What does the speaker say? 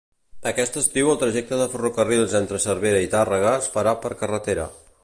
Aquest estiu el trajecte de ferrocarrils entre Cervera i Tàrrega es farà per carretera.